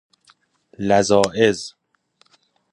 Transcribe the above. لذائذ